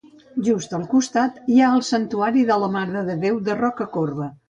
Just al costat hi ha el Santuari de la Mare de Déu de Rocacorba.